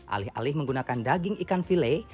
alih alih menggunakan daging ikan file